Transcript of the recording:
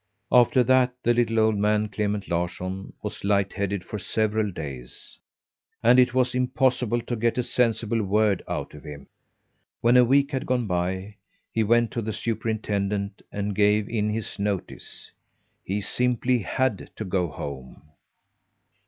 After that the little old man, Clement Larsson, was lightheaded for several days, and it was impossible to get a sensible word out of him. When a week had gone by, he went to the superintendent and gave in his notice. He simply had to go home.